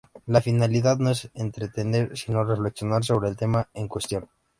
La finalidad no es entretener, sino reflexionar sobre el tema en cuestión.